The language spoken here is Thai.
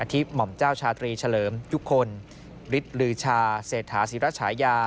ที่หม่อมเจ้าชาตรีเฉลิมยุคคลฤทธิ์ลือชาเศรษฐาศิรัชญา